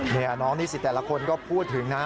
นี่น้องนิสิตแต่ละคนก็พูดถึงนะ